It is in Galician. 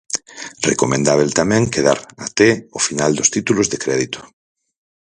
Recomendábel tamén quedar até o final dos títulos de crédito.